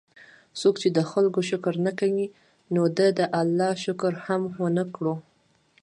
څوک چې د خلکو شکر نه کوي، نو ده د الله شکر هم ونکړو